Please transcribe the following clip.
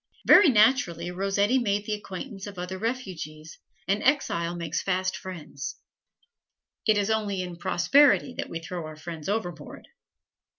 Very naturally, Rossetti made the acquaintance of other refugees, and exile makes fast friends. It is only in prosperity that we throw our friends overboard.